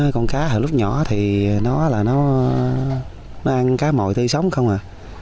con cá lúc nhỏ thì nó ăn cá mồi tươi sống không à